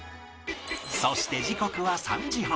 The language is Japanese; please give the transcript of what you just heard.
そして時刻は３時半